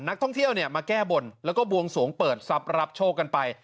นักท่องเที่ยวเนี่ยมาแก้บนแล้วก็บวงสวงเปิดทรัพย์รับโชคกันไป